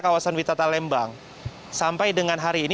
kawasan wisata lembang sampai dengan hari ini